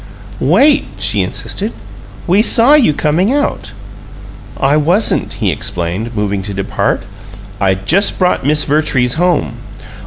"Wait," she insisted. "We saw you coming out." "I wasn't," he explained, moving to depart. "I'd just brought Miss Vertrees home."